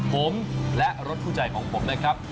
ผมและรถคู่ใจของผมนะครับ